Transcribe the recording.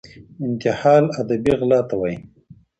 انتحال ادبي غلا ته وايي.